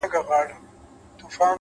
وخت د ژوند تر ټولو قیمتي امانت دی.!